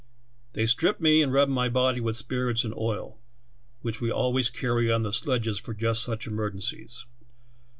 "They stripped me, and rubbed my body with spirits and oil, which we always carry on the sledges for just such emergencies.